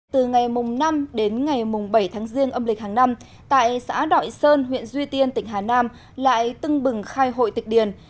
từ ngày năm đến ngày mùng bảy tháng riêng âm lịch hàng năm tại xã đội sơn huyện duy tiên tỉnh hà nam lại tưng bừng khai hội tịch điền